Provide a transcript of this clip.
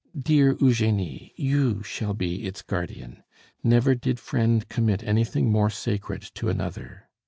Dear Eugenie, you shall be its guardian. Never did friend commit anything more sacred to another.